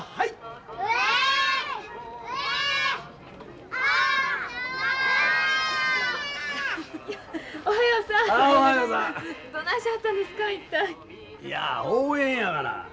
いや応援やがな。